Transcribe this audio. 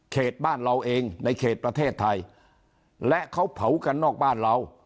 บ้านเราเองในเขตประเทศไทยและเขาเผากันนอกบ้านเรา